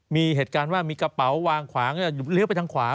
มีเหตุการณ์ว่ามีกระเป๋าวางขวางเลี้ยวไปทางขวา